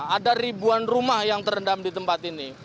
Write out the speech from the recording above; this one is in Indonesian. ada ribuan rumah yang terendam di tempat ini